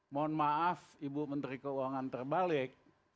mohon maaf ibu menteri keuangan terbalik